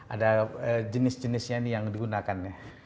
ada jenis jenisnya ini yang digunakan